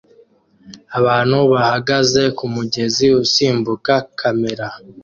abantu bahagaze kumugezi usimbuka kamera